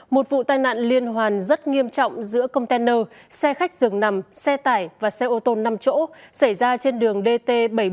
một vụ tai nạn liên hoàn rất nghiêm trọng giữa container xe khách dường nằm xe tải và xe ô tô năm chỗ xảy ra trên đường dt bảy trăm bốn mươi